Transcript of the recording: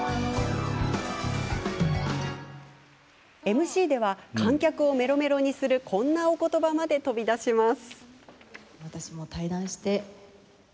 ＭＣ では観客をメロメロにするこんなお言葉まで飛び出します。